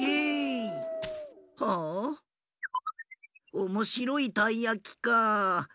おもしろいたいやきかあ。